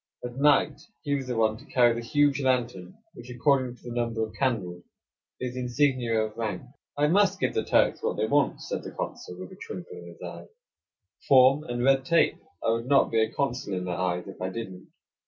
At night he was the one to carry the huge lantern, which, according to the number of candles, is the insignia of rank. "I must give the Turks what they want," said the consul, with a twinkle in his eye — "form and red tape. I would not be a consul in their eyes, if I didn't."